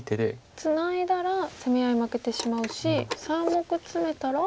ツナいだら攻め合い負けてしまうし３目ツメたら？